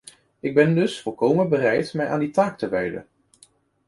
Ik ben dus volkomen bereid mij aan die taak te wijden.